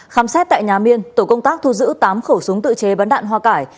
khám xét tại nhà miên tổ công tác thu giữ tám khẩu súng tự chế bắn đạn hoa cải